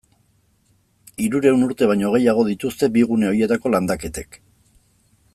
Hirurehun urte baino gehiago dituzte bi gune horietako landaketek.